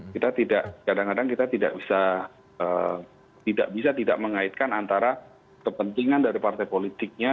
kita tidak kadang kadang kita tidak bisa tidak mengaitkan antara kepentingan dari partai politiknya